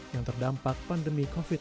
yang terdampak pandemi covid sembilan belas